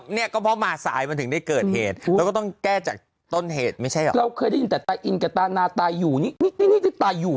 นี่ก็พอมาสายมาถึงและเกิดเหตุแล้วต้องแก้จากต้นเหตุไม่ใช่เราเคยอื่นแต่วินงมีตีจุดตายอยู่